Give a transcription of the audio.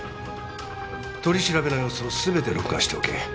取り調べの様子をすべて録画しておけ。